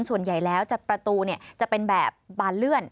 ส่วนใหญ่แล้วประตูจะเป็นแบบบานเลื่อน